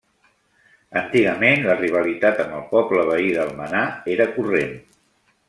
Antigament, la rivalitat amb el poble veí d'Almenar era corrent.